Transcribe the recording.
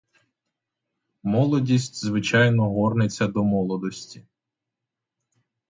Молодість звичайно горнеться до молодості.